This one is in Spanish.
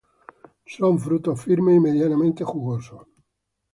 Son frutos firmes y medianamente jugosos.